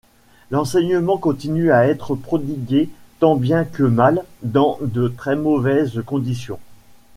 L’enseignement continue à être prodigué tant bien que mal, dans de très mauvaises conditions.